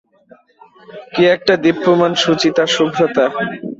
কী একটা দীপ্যমান শুচিতা, শুভ্রতা!